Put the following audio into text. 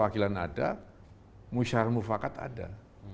kan ada muisharah mufakat ada